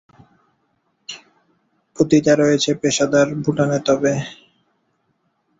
তবে ভুটানে পেশাদার পতিতা রয়েছে।